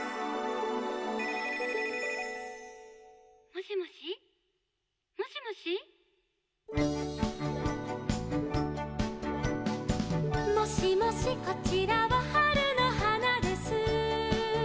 「もしもしもしもし」「もしもしこちらは春の花です」